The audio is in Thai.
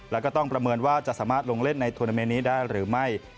แล้วก็ต้องประเมินว่าจะสามารถลงเล่นในทวนาเมนนี้ได้หรือไม่